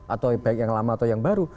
atau baik yang lama atau yang baru